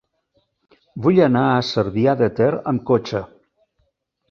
Vull anar a Cervià de Ter amb cotxe.